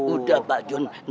udah pak jun